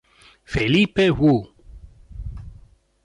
Felipe Wu